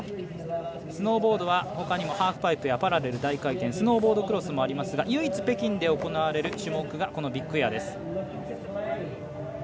スノーボードは、ほかにもハーフパイプやパラレル大回転スノーボードクロスもありますが唯一、北京で行われる種目が、このビッグエアです。